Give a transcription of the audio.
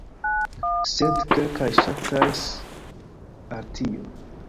Sed kelkaj ŝatas al tio.